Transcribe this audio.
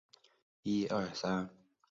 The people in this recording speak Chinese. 属邕州羁縻。